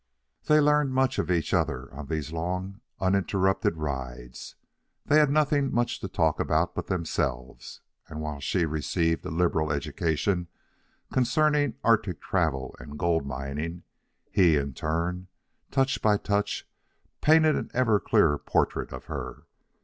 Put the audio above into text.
They learned much of each other on these long, uninterrupted rides. They had nothing much to talk about but themselves, and, while she received a liberal education concerning Arctic travel and gold mining, he, in turn, touch by touch, painted an ever clearer portrait of her.